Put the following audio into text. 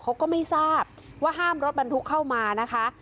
เขาก็ไม่ทราบว่าห้ามรถบรรทุกเข้ามานะคะ